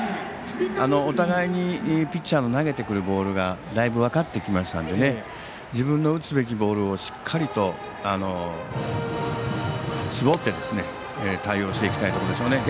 お互いにピッチャーの投げてくるボールがだいぶ分かってきましたので自分が打つべきボールをしっかりと絞って対応していきたいところでしょう。